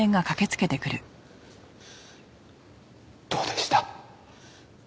どうでした？